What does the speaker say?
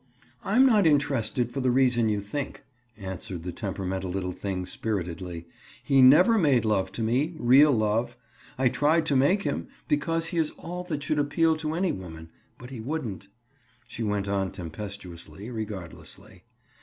"I'm not interested for the reason you think," answered the temperamental little thing spiritedly. "He never made love to me—real love. I tried to make him, because he is all that should appeal to any woman, but he wouldn't," she went on tempestuously, regardlessly.